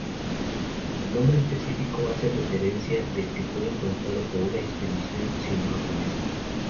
El nombre específico hace referencia de que fue encontrado por una expedición sino-japonesa.